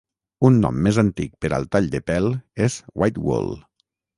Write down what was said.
Un nom més antic per al tall de pèl és "Whitewall".